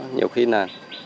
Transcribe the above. nhiều khi là